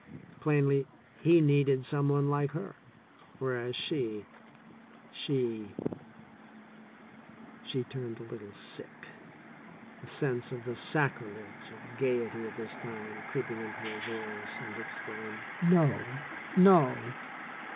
Plainly, he needed some one like her, whereas she, she . She turned a little sick, a sense of the sacrilege of gaiety at this time creeping into her voice, and exclaimed : "No, no!"